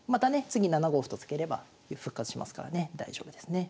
次７五歩と突ければ復活しますからね大丈夫ですね。